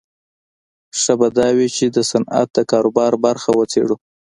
ښه به دا وي چې د صنعت د کاروبار برخه وڅېړو